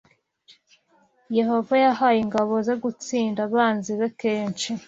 Yehova yahaye ingabo ze gutsinda abanzi be kenshi